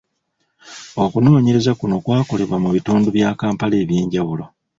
Okunoonyereza kuno kwakolebwa mu bitundu bya Kampala eby’enjawulo.